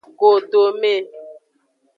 Godome.